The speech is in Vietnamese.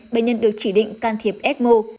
bệnh nhân được chỉ định can thiệp ecmo